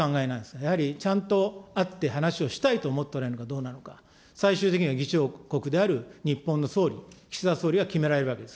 やはりちゃんと会って話をしたいと思っておられるのかどうなのか、最終的には議長国である日本の総理、岸田総理が決められるわけです。